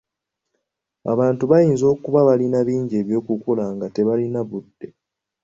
Abantu bayinza okuba balina bingi ebyokukola nga tebalina budde.